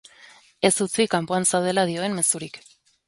Ez utzi kanpoan zaudela dioen mezurik.